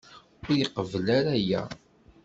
Ur iqebbel ara aya.